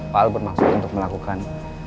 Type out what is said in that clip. pak al bermaksud untuk melakukan